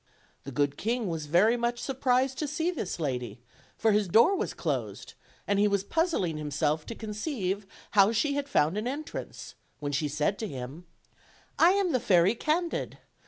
The good king was very much surprised to see this lady, for his door was closed, and he was puzzling himself to conceive how she had found an entrance, when she said to him: "I am the Fairy Candid.